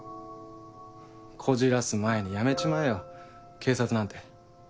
こじらす前に辞めちまえよ警察なんて。